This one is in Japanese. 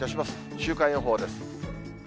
週間予報です。